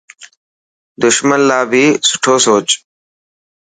دشمن لاءِ بهي سٺو سوچ.